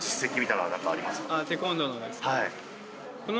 はい。